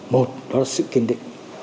một đó là sự kiên định